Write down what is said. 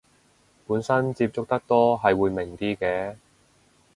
本身接觸得多係會明啲嘅